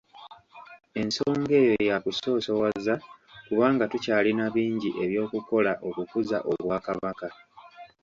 Ensonga eyo yakusoosowaza kubanga tukyalina bingi ebyokukola okukuza Obwakabaka.